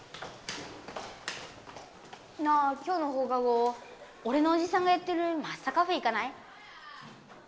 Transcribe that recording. なあ今日のほうか後おれのおじさんがやってるマスタカフェ行かない？